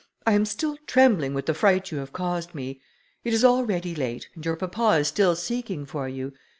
I am still trembling with the fright you have caused me. It is already late, and your papa is still seeking for you.